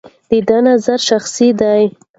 د ده نظر شخصي دی.